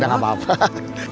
udah gak apa apa